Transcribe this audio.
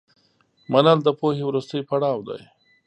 منل د پوهې وروستی پړاو دی.